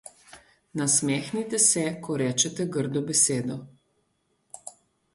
Nasmehnite se, ko rečete grdo besedo.